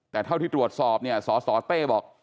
แต่เท่าที่ตรวจสอบเนี่ยสสเต้บอก